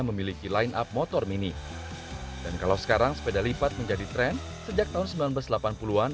memiliki line up motor mini dan kalau sekarang sepeda lipat menjadi tren sejak tahun seribu sembilan ratus delapan puluh an